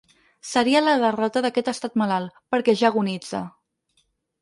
Seria la derrota d’aquest estat malalt, perquè ja agonitza.